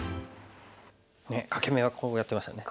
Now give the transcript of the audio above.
欠け眼はこうやってましたね。